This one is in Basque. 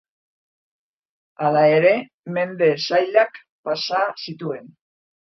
Hala ere mende zailak pasa zituen.